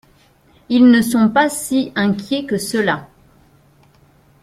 Ils ne sont pas si inquiets que cela.